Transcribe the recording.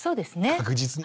確実に。